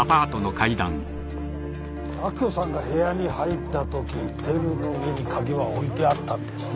明子さんが部屋に入ったときテーブルの上に鍵は置いてあったんですね？